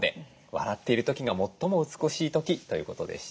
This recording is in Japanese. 笑っている時が最も美しい時ということでした。